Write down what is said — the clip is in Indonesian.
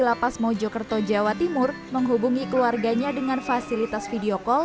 lapas mojokerto jawa timur menghubungi keluarganya dengan fasilitas video call